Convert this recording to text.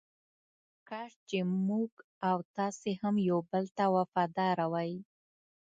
کاش چې موږ او تاسې هم یو بل ته وفاداره وای.